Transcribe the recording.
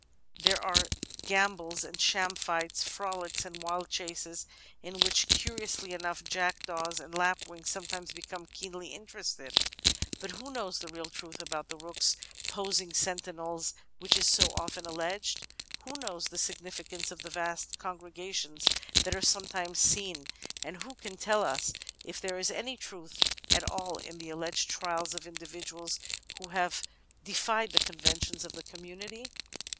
There are gambols and sham fights, frolics and wild chases, in which, curiously enough, jack* daws and lapwings sometimes become keenly interested. But who knows the real truth about rooks posting sentinels, which is so often alleged? Who knows the significance of the vast con gregations that are sometimes seen, and who can tell us if there is any truth at all in the alleged 'trials' of individuals who have defied the conventions of the commimity?